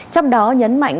trong đó nhấn mạnh